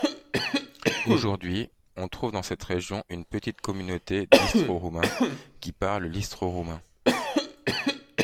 Aujourd’hui, on trouve dans cette région une petite communauté d’Istro-roumains, qui parlent l’istro-roumain.